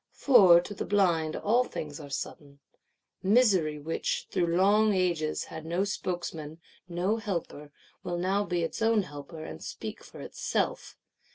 For, to the blind, all things are sudden. Misery which, through long ages, had no spokesman, no helper, will now be its own helper and speak for itself.